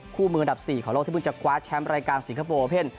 คู่มืออันดับ๔ของโลกที่เพิ่งจะคว้าแชมป์รายการสิงคโปร์เพ่น